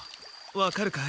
わかるかい？